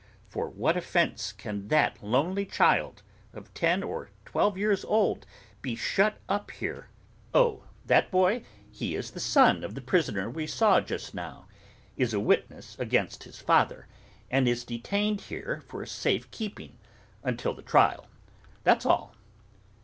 —For what offence can that lonely child, of ten or twelve years old, be shut up here? Oh! that boy? He is the son of the prisoner we saw just now; is a witness against his father; and is detained here for safe keeping, until the trial; that's all.